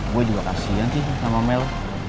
gue juga kasihan sih sama mel